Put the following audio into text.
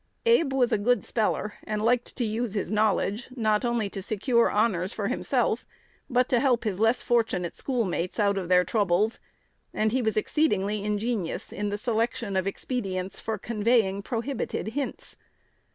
Abe was a good speller, and liked to use his knowledge, not only to secure honors for himself, but to help his less fortunate schoolmates out of their troubles, and he was exceedingly ingenious in the selection of expedients for conveying prohibited hints.